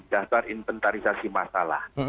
daftar inventarisasi masalah